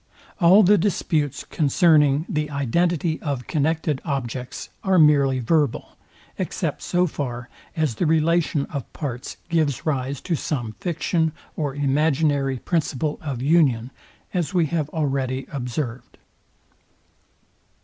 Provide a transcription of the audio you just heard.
All the disputes concerning the identity of connected objects are merely verbal, except so fax as the relation of parts gives rise to some fiction or imaginary principle of union, as we have already observed.